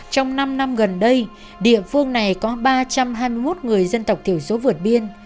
trong năm năm gần đây địa phương này có ba trăm hai mươi một người dân tộc thiểu số vượt biên